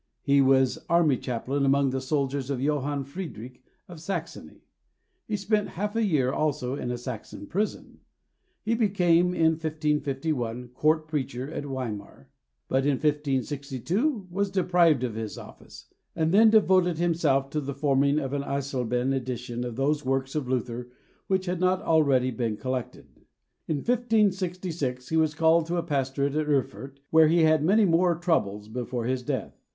He was army chaplain among the soldiers of Johann Friedrich, of Saxony; he spent half a year also in a Saxon prison. He became, in 1551, court preacher at Weimar; but in 1562 was deprived of his office, and then devoted himself to the forming of an Eisleben edition of those works of Luther, which had not already been collected. In 1566 he was called to a pastorate at Erfurt, where he had many more troubles before his death.